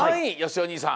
お兄さん